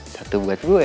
satu buat gue